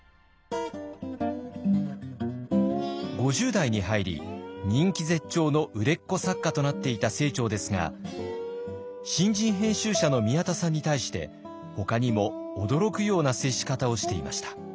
５０代に入り人気絶頂の売れっ子作家となっていた清張ですが新人編集者の宮田さんに対してほかにも驚くような接し方をしていました。